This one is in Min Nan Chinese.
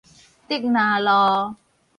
竹林路